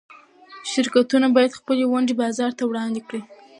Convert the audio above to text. شرکتونه باید خپلې ونډې بازار ته وړاندې کړي.